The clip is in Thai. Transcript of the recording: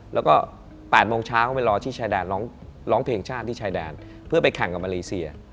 แล้วก็๘โมงเช้าไปรอที่ชายแดนร้องเพลงชาติที่ชายแดนเพื่อไปแข่งกับมาเลเซีย